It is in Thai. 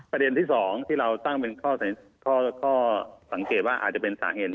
ประเด็นที่๒ที่เราตั้งเป็นข้อสังเกตว่าอาจจะเป็นสาเหตุ